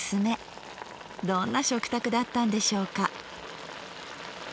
どんな食卓だったんでしょうか。